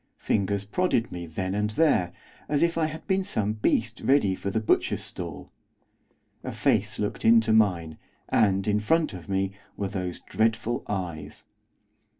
Fingers prodded me then and there, as if I had been some beast ready for the butcher's stall. A face looked into mine, and, in front of me, were those dreadful eyes.